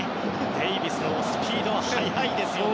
デイビスのスピードは速いですね。